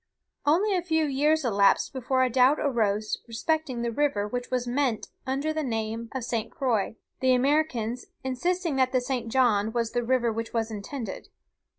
Only a few years elapsed before a doubt arose respecting the river which was meant under the name of St. Croix; the Americans insisting that the St. John was the river which was intended.